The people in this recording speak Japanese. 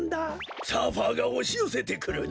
サーファーがおしよせてくるな。